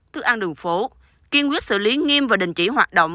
thức ăn đường phố kiên quyết xử lý nghiêm và đình chỉ hoạt động